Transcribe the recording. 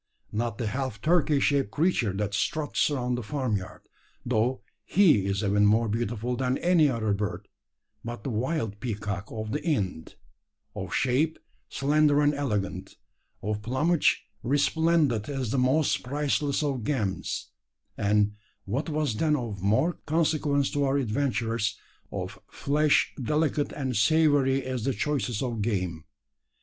Not the half turkey shaped creature that struts around the farmyard though he is even more beautiful than any other bird but the wild peacock of the Ind of shape slender and elegant of plumage resplendent as the most priceless of gems and, what was then of more consequence to our adventurers, of flesh delicate and savoury as the choicest of game.